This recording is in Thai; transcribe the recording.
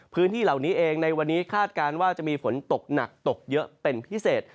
พื้นที่เหล่านี้เองในวันนี้คาดการณ์ว่าจะมีฝนตกหนักตกเยอะเป็นพิเศษ